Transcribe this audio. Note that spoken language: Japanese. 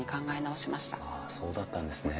あそうだったんですね。